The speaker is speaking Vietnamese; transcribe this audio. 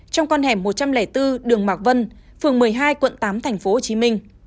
trong con hẻm một trăm linh bốn đường mạc vân phường một mươi hai quận tám tp hcm